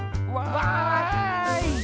わい！